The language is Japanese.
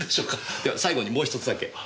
では最後にもう１つだけ。